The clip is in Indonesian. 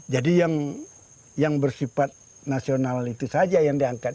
jadi yang bersifat nasional itu saja yang diangkat